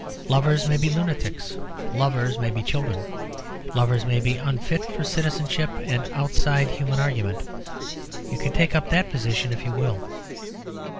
Lovers may be lunatics; lovers may be children; lovers may be unfit for citizenship and outside human argument; you can take up that position if you will.